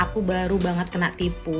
aku baru banget kena tipu